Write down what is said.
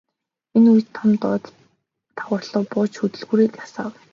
Энэ үед Том доод давхарруу бууж хөдөлгүүрийг асаав.